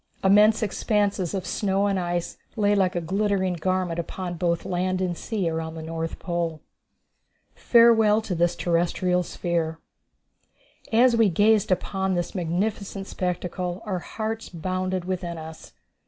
Immense expanses of snow and ice lay like a glittering garment upon both land and sea around the North Pole. Farewell To This Terrestrial Sphere. As we gazed upon this magnificent spectacle, our hearts bounded within us.